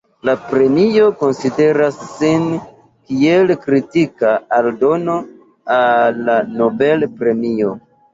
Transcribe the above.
La premio konsideras sin kiel kritika aldono al la Nobel-premio.